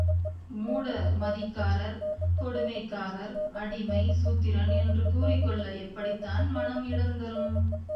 மூட மதிக்காரர், கொடுமைக்காரர், அடிமை, சூத்திரன் என்று கூறிக்கொள்ள எப்படித்தான் மனம் இடந்தரும்?